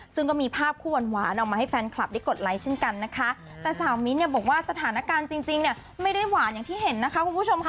ซึ่งก็มีภาพคู่หวานหวานออกมาให้แฟนคลับได้กดไลค์เช่นกันนะคะแต่สาวมิ้นท์เนี่ยบอกว่าสถานการณ์จริงจริงเนี่ยไม่ได้หวานอย่างที่เห็นนะคะคุณผู้ชมค่ะ